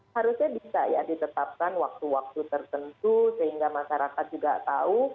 harusnya bisa ya ditetapkan waktu waktu tertentu sehingga masyarakat juga tahu